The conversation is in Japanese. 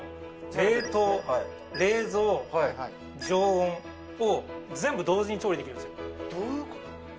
この全部同時に調理できるんですよ